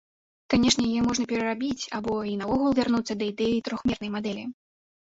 Канешне яе можна перарабіць або і наогул вярнуцца да ідэі трохмернай мадэлі.